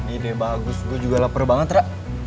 ide bagus gue juga lapar banget rak